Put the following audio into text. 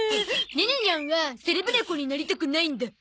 ネネニャンはセレブ猫になりたくないんだ。